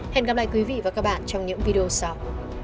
hẹn gặp lại quý vị và các bạn trong những video sau